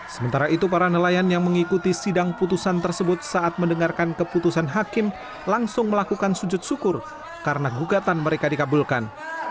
sementara itu para nelayan yang mengikuti sidang putusan tersebut saat mendengarkan keputusan hakim langsung melakukan sujud syukur karena gugatan mereka dikabulkan